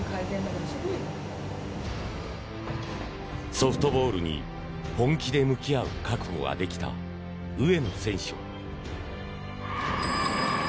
ソフトボールに本気で向き合う覚悟ができた上野選手は。